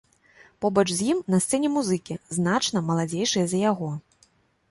Побач з ім на сцэне музыкі, значна маладзейшыя за яго.